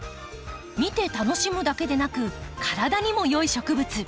見て楽しむだけでなく体にも良い植物。